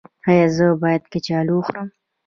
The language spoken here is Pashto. ایا زه باید کچالو وخورم؟